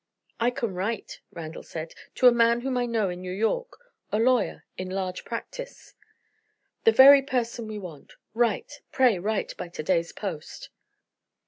"I can write," Randal said, "to a man whom I know in New York; a lawyer in large practice." "The very person we want! Write pray write by today's post."